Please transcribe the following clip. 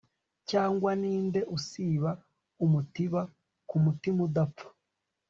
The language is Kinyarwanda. Cyangwa ninde usiba umutiba kumitima idapfa